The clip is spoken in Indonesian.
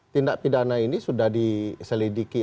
tindak pidana ini sudah diselidiki